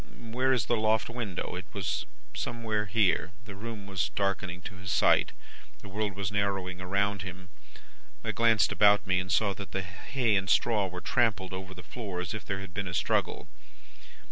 Where is the loft window? It was somewhere here?' "The room was darkening to his sight; the world was narrowing around him. I glanced about me, and saw that the hay and straw were trampled over the floor, as if there had been a struggle.